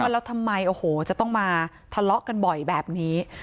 แล้วทำไมโอ้โหจะต้องมาทะเลาะกันบ่อยแบบนี้